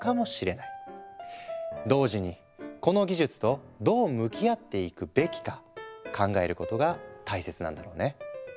同時にこの技術とどう向き合っていくべきか考えることが大切なんだろうね。